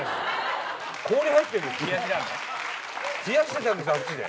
冷やしてたんですあっちで。